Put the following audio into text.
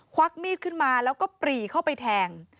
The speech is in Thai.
วักมีดขึ้นมาแล้วก็ปรีเข้าไปแทง